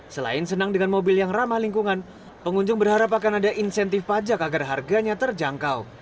selain senang dengan mobil yang ramah lingkungan pengunjung berharap akan ada insentif pajak agar harganya terjangkau